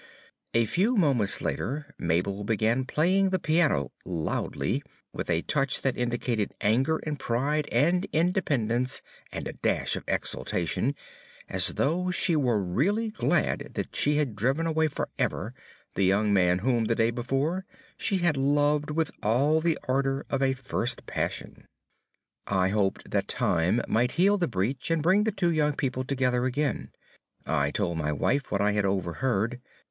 A few moments later Mabel began playing the piano loudly, with a touch that indicated anger and pride and independence and a dash of exultation, as though she were really glad that she had driven away forever the young man whom the day before she had loved with all the ardor of a first passion. I hoped that time might heal the breach and bring the two young people together again. I told my wife what I had overheard.